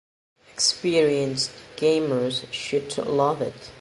Experienced gamers should love it.